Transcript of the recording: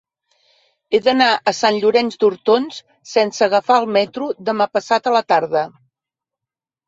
He d'anar a Sant Llorenç d'Hortons sense agafar el metro demà passat a la tarda.